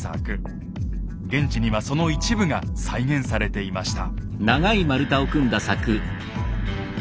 現地にはその一部が再現されていました。